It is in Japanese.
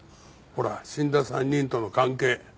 ほら死んだ３人との関係。